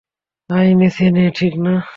আয় নেচে নে, ঠিক না?